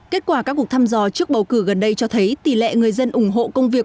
kết quả các cuộc thăm dò trước bầu cử gần đây cho thấy tỷ lệ người dân ủng hộ công việc